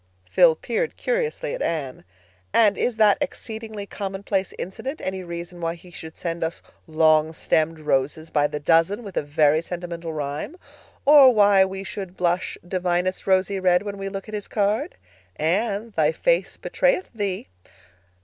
Phil peered curiously at Anne. "And is that exceedingly commonplace incident any reason why he should send us longstemmed roses by the dozen, with a very sentimental rhyme? Or why we should blush divinest rosy red when we look at his card? Anne, thy face betrayeth thee."